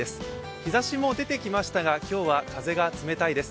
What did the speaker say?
日ざしも出てきましたが今日は風が冷たいです。